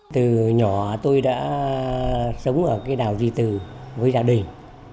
từ nhỏ tôi đã sống ở cái đào di từ với gia đình